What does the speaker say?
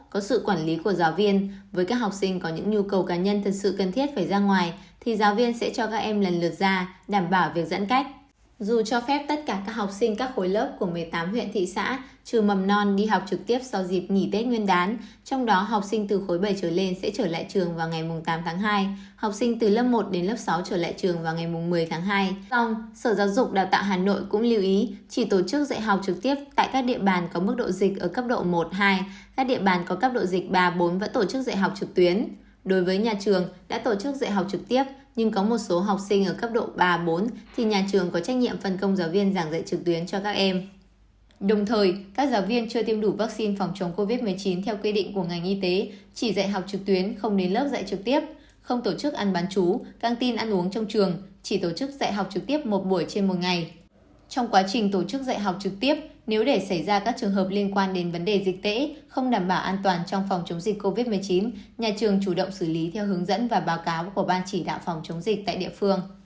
các giáo viên chưa tiêm đủ vaccine phòng chống covid một mươi chín theo quy định của ngành y tế chỉ tổ chức dạy học trực tiếp không đến lớp dạy học trực tiếp không tổ chức dạy học trực tiếp không tổ chức dạy học trực tiếp